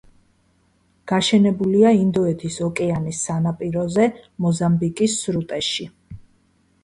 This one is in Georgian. გაშენებულია ინდოეთის ოკეანის სანაპიროზე, მოზამბიკის სრუტეში.